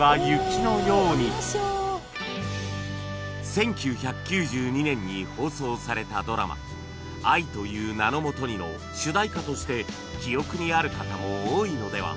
１９９２年に放送されたドラマ『愛という名のもとに』の主題歌として記憶にある方も多いのでは